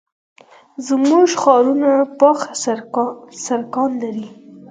زموږ ښارونه پاخه سړکان نه لري.